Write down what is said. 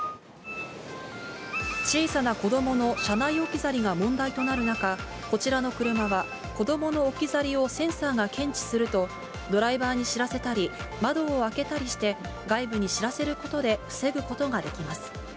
小さな子どもの車内置き去りが問題となる中、こちらの車は、子どもの置き去りをセンサーが検知すると、ドライバーに知らせたり、窓を開けたりして、外部に知らせることで防ぐことができます。